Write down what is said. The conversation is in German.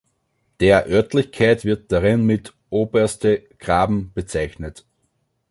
Der Örtlichkeit wird darin mit „Oberste Graben“ bezeichnet.